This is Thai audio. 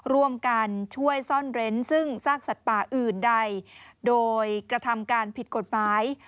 ร่วมกันช่วยซ่อนเร้นซึ่งซากสัตว์ป่าอื่นใดโดยกระทำการผิดกฎหมาย